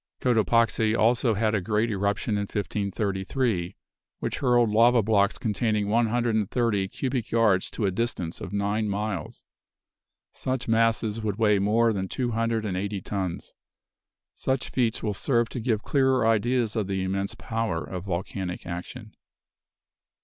Cotopaxi also had a great eruption in 1533, which hurled lava blocks containing one hundred and thirty cubic yards to a distance of nine miles. Such masses would weigh more than two hundred and eighty tons. Such feats will serve to give clearer ideas of the immense power of volcanic action.